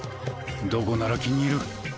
どこなら気に入る？